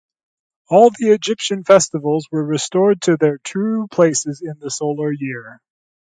All the Egyptian festivals were restored to their true places in the solar year.